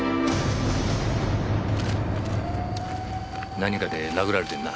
何かで殴られてるな。